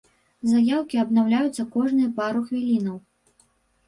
Заяўкі абнаўляюцца кожныя пару хвілінаў.